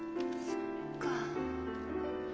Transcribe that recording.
そっか。